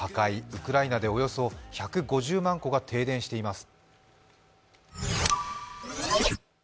ウクライナでおよそ１５０万戸が停電しています。